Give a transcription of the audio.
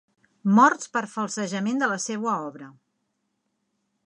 Morts pel falsejament de la seua obra.